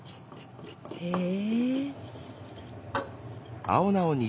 へえ。